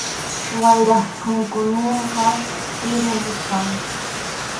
Wayrap phukuyninqa chiri nisqam.